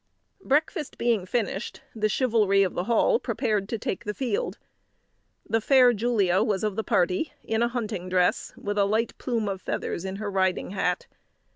Breakfast being finished, the chivalry of the Hall prepared to take the field. The fair Julia was of the party, in a hunting dress, with a light plume of feathers in her riding hat.